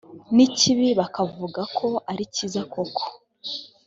n ikibi bakavuga ko ari cyiza koko